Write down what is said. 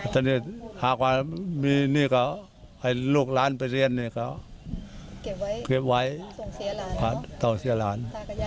ถ้ามีนี่ให้ลูกหลานไปเรียนนี่ก็เก็บไว้ส่งเสียหลาน